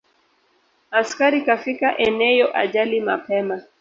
Askari kafika eneyo ajali mapema